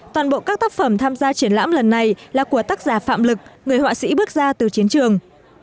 toàn bộ các tác phẩm tham gia triển lãm lần này là của tác giả phạm lực người họa sĩ bước ra từ chiến trường